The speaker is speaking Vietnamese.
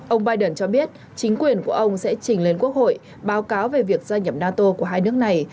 ông biden cho biết chính quyền của ông sẽ trình lên quốc hội báo cáo về việc gia nhập nato của hai nước này